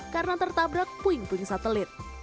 karena tertabrak puing puing satelit